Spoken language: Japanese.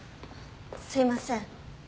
すいません。